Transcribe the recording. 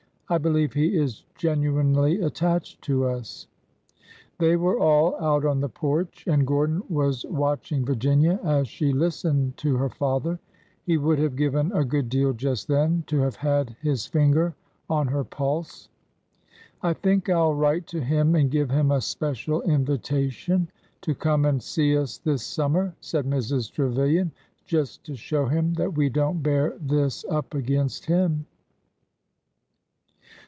I believe he is genuinely attached to us." They were all out on the porch, and Gordon was watch ing Virginia as she listened to her father. He would have 138 ORDER NO. 11 given a good cfeal just then to have had his finger on her pulse. I think I 'll write to him and give him a special in vitation to come and see us this summer," said Mrs. Tre vilian; "just to show him that we don't bear this up against him."